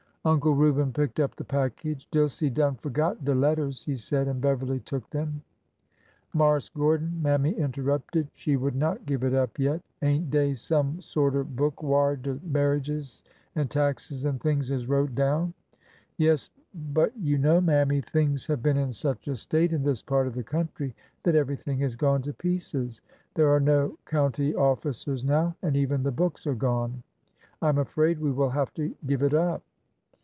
Uncle Reuben picked up the package. '^Dilsey done forgot de letters," he said, and Beverly took them. Marse Gordon," Mammy interrupted, — she would not give it up yet,— ain't dey some sorter book whar de marriages an' taxes an' things is wrote down ?" Yes, but you know. Mammy, things have been in such a state in this part of the country that everything has gone to pieces. There are no county officers now, and even the books are gone. I 'm afraid we will have to give it up."